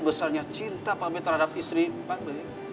besarnya cinta pak w terhadap istri pak w